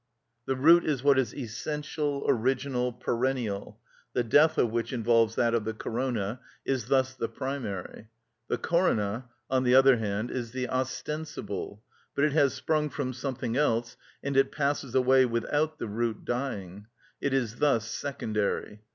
The root is what is essential, original, perennial, the death of which involves that of the corona, is thus the primary; the corona, on the other hand, is the ostensible, but it has sprung from something else, and it passes away without the root dying; it is thus secondary.